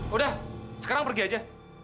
udah sekarang pergi saja